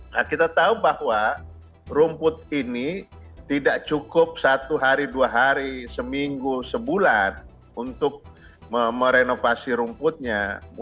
nah kita tahu bahwa rumput ini tidak cukup satu hari dua hari seminggu sebulan untuk merenovasi rumputnya